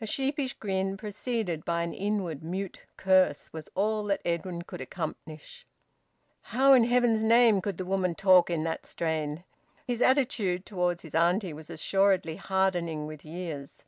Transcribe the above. A sheepish grin, preceded by an inward mute curse, was all that Edwin could accomplish. How in heaven's name could the woman talk in that strain? His attitude towards his auntie was assuredly hardening with years.